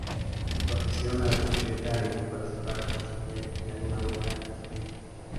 Su afición a la bicicleta le hizo participar como chófer en alguna Vuelta Ciclista.